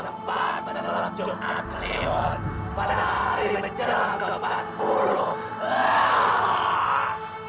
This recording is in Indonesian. tempat pada dalam jombang kalian pada hari menjaga kebahan burung